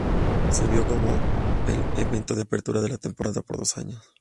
Sirvió como el evento de apertura de la temporada por dos años.